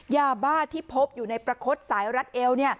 ยาบ้าที่พบอยู่ในประคดสายรัฐเอวเนี่ยอ่า